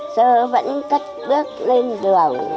sơ vẫn cất bước lên đường